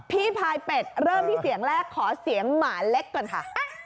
พายเป็ดเริ่มที่เสียงแรกขอเสียงหมาเล็กก่อนค่ะ